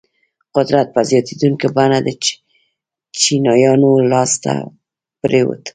قدرت په زیاتېدونکي بڼه د چپیانو لاس ته پرېوت.